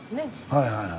はいはいはい。